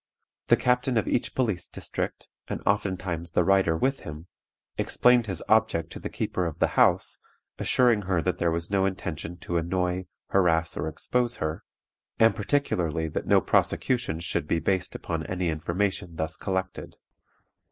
The captain of each police district (and oftentimes the writer with him) explained his object to the keeper of the house, assuring her that there was no intention to annoy, harass, or expose her; and, particularly, that no prosecutions should be based upon any information thus collected.